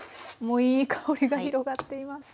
もういい香りが広がっています。